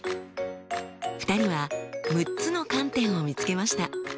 ２人は６つの観点を見つけました。